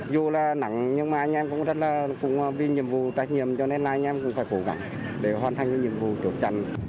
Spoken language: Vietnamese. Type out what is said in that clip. dù là nắng nhưng mà anh em cũng rất là cũng vì nhiệm vụ trách nhiệm cho nên là anh em cũng phải cố gắng để hoàn thành cái nhiệm vụ chốt chặn